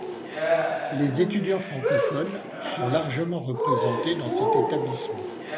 Les étudiants francophones sont largement représentés dans cet établissement.